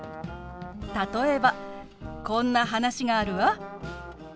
例えばこんな話があるわ。